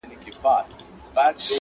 له دوزخه د جنت مهمان را ووت ,